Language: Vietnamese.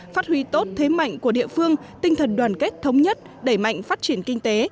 phát huy tốt thế mạnh của địa phương tinh thần đoàn kết thống nhất đẩy mạnh phát triển kinh tế